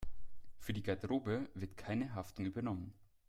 Für die Garderobe wird keine Haftung übernommen.